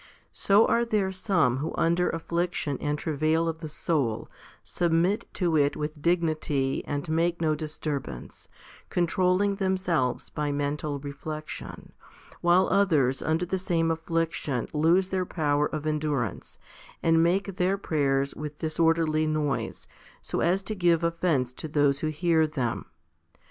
So are there some who under affliction and travail of the soul submit to it with dignity and make no disturbance, controlling themselves by mental reflexion, while others under the same affliction lose their power of endurance, and make their prayers with disorderly noise, so as to give offence to those who hear them.